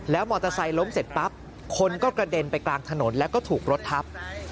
มอเตอร์ไซค์ล้มเสร็จปั๊บคนก็กระเด็นไปกลางถนนแล้วก็ถูกรถทับ